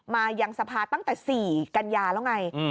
มายังสภาตั้งแต่๔กันยาแล้วไง